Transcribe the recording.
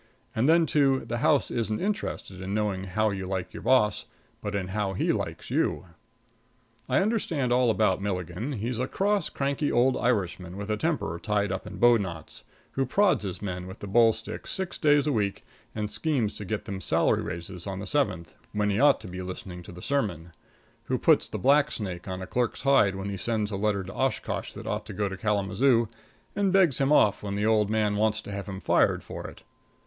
And then, too, the house isn't interested in knowing how you like your boss, but in how he likes you. I understand all about Milligan. He's a cross, cranky old Irishman with a temper tied up in bow knots, who prods his men with the bull stick six days a week and schemes to get them salary raises on the seventh, when he ought to be listening to the sermon; who puts the black snake on a clerk's hide when he sends a letter to Oshkosh that ought to go to Kalamazoo, and begs him off when the old man wants to have him fired for it.